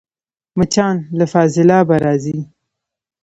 مچان له فاضلابه راځي